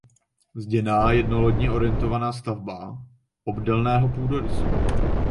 Zděná jednolodní orientovaná stavba obdélného půdorysu.